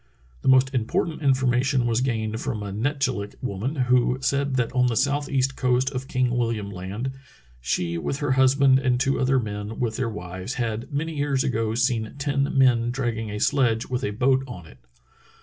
The most important in formation was gained from a Netchillik woman who said that on the southeast coast of King William Land "she with her husband, and two other men with their wives, had many years ago seen ten men dragging a sledge with a boat on it.